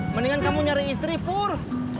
mendingan kamu nyari istri pur